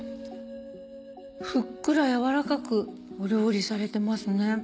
ふっくらやわらかくお料理されてますね。